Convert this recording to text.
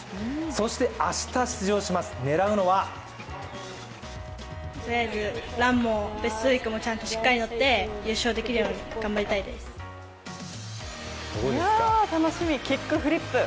そして明日出場します、狙うのはいやー、楽しみ、キックフリップ！